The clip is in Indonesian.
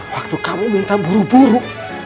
waktu kamu minta buru buru